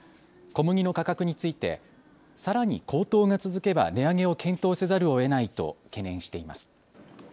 小麦の価格についてさらに高騰が続けば値上げを検討せざるをえないと懸念しています。